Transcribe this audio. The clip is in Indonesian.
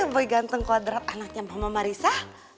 boy ganteng kodrat anaknya mama marissa